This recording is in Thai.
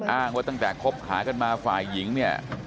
อ้างว่าตั้งแต่คบหากันมาฝ่ายหญิงเนี่ย